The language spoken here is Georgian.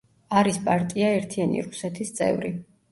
არის პარტია „ერთიანი რუსეთის“ წევრი.